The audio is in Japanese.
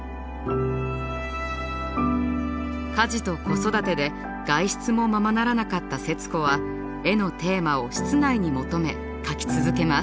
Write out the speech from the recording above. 家事と子育てで外出もままならなかった節子は絵のテーマを室内に求め描き続けます。